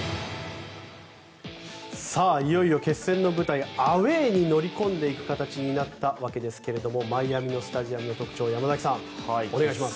いよいよ決戦の舞台アウェーに乗り込んでいく形になったわけですがマイアミのスタジアムの特徴山崎さん、お願いします。